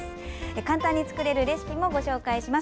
簡単に作れるレシピもご紹介します。